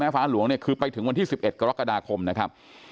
ฟ้าหลวงเนี่ยคือไปถึงวันที่๑๑กรกฎาคมนะครับ